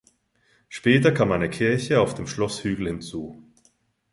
Später kam eine Kirche auf dem Schlosshügel hinzu.